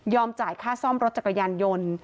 จ่ายค่าซ่อมรถจักรยานยนต์